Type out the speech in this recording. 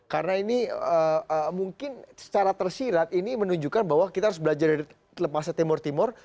karena ini mungkin secara tersirat ini menunjukkan bahwa kita harus belajar dari lepasnya timur timur